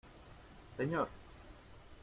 ¡ señor!